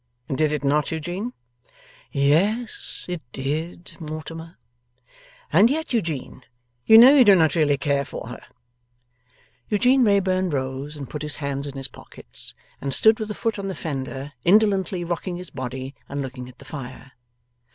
'Did it not, Eugene?' 'Yes it did, Mortimer.' 'And yet, Eugene, you know you do not really care for her.' Eugene Wrayburn rose, and put his hands in his pockets, and stood with a foot on the fender, indolently rocking his body and looking at the fire.